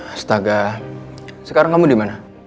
astaga sekarang kamu dimana